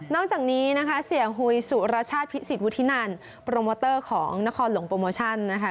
จากนี้นะคะเสียหุยสุรชาติพิสิทธิวุฒินันโปรโมเตอร์ของนครหลวงโปรโมชั่นนะคะ